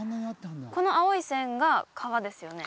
この青い線が川ですよね？